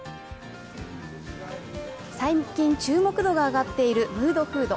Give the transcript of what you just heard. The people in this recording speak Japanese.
最近、注目度が上がっているムードフード。